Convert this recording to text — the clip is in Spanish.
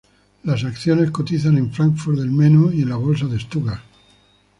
Las acciones cotizan en Fráncfort del Meno y en la bolsa de Stuttgart.